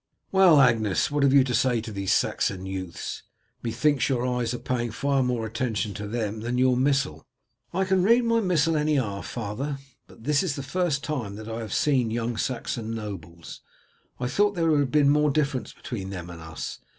Well, Agnes, and what have you to say to these Saxon youths? Methinks your eyes are paying more attention to them than to your missal." "I can read my missal at any hour, father, but this is the first time that I have seen young Saxon nobles. I thought there would have been more difference between them and us.